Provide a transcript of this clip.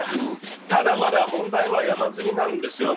ただ、まだ問題は山積みなんですよね。